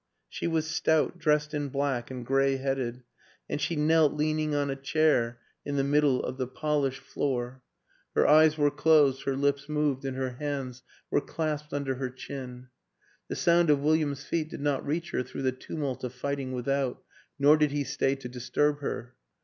She was stout, dressed in black and gray headed and she knelt leaning on a chair in the middle of the polished 134 WILLIAM AN ENGLISHMAN floor; her eyes were closed, her lips moved, and her hands were clasped under her chin. The sound of William's feet did not reach her through the tumult of fighting without, nor did he stay to disturb her.